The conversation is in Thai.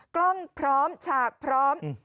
กล้องพร้อมฉากพร้อม